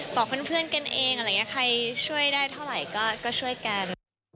บอกเพื่อนกันเองอะไรอย่างนี้ใครช่วยได้เท่าไหร่ก็ช่วยกัน